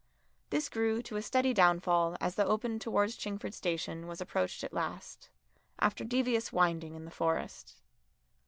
This grew to a steady downfall as the open towards Chingford station was approached at last, after devious winding in the Forest.